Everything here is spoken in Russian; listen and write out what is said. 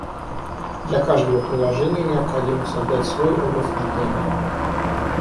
Для каждого приложения необходимо создать свой образ контейнера